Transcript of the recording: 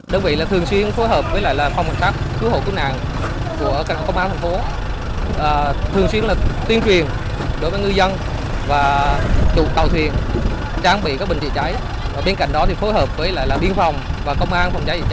đơn vị thường xuyên phối hợp với phòng bằng sát cứu hộ cứu nạn của công an thành phố thường xuyên tuyên truyền đối với ngư dân và chủ tàu thuyền trang bị các bệnh trị cháy